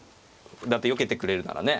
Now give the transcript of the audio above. だってよけてくれるならね。